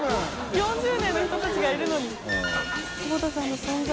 鑛４０年の人たちがいるのに山之内）